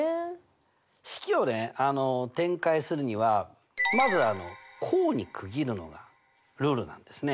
式をね展開するにはまず項に区切るのがルールなんですね。